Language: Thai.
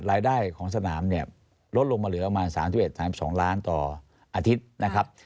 รายได้ของสนามเนี่ยลดลงมาเหลือประมาณ๓๑๓๒ล้านต่ออาทิตย์นะครับ